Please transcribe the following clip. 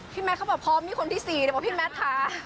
พี่แมทเขาบอกพร้อมนี่คนที่๔พี่แมทค่ะ